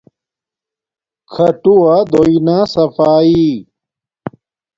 کھاٹووہ دوݵ نا صفایݵ